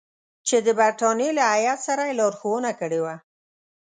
چې د برټانیې له هیات سره یې لارښوونه کړې وه.